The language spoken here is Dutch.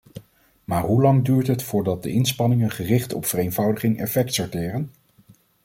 Maar hoe lang duurt het voordat de inspanningen gericht op vereenvoudiging effect sorteren?